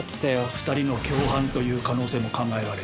２人の共犯という可能性も考えられる。